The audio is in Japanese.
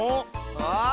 ああ！